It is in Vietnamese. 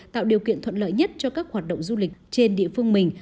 tạo điều kiện thuận lợi nhất cho các hoạt động du lịch trên địa phương mình